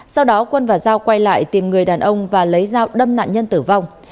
sau đó quân và giao quay lại tìm người đàn ông và lấy dao đâm nạn nhân tử vong